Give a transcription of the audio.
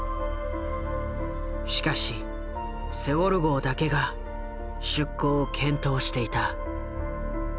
しかしセウォル号だけが出航を検討していた。